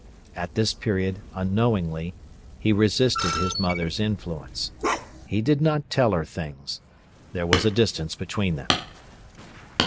At this period, unknowingly, he resisted his mother's influence. He did not tell her things; there was a distance between them.